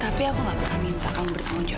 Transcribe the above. tapi aku gak pernah minta kamu bertanggung jawab